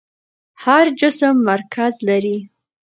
هر جسم مرکز لري.